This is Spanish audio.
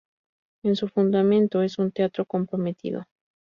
En su fundamento, es un teatro comprometido.